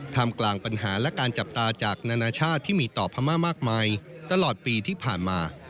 ทำกลางปัญหาและการจับตาจากนานาชาติที่มีต่อพม่ามากมายตลอดปีที่ผ่านมา